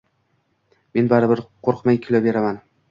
Men baribir qurqmay kuylayveraman